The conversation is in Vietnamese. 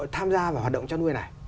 tham gia vào hoạt động cha nuôi này